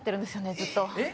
ずっと・えっ？